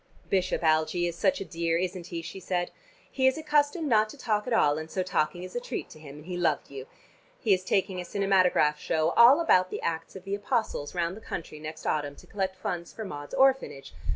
"Bishop Algie is such a dear, isn't he?" she said. "He is accustomed not to talk at all, and so talking is a treat to him, and he loved you. He is taking a cinematograph show, all about the Acts of the Apostles, round the country next autumn to collect funds for Maud's orphanage.